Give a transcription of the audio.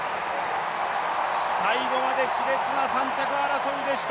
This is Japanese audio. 最後までしれつな３着争いでした。